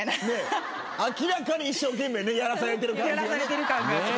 明らかに一生懸命ねやらされてる感じがね。